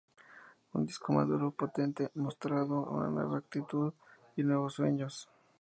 Un disco maduro, potente, mostrando nueva actitud y nuevos sueños.